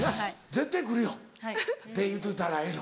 「絶対来るよ」って言うといたらええの？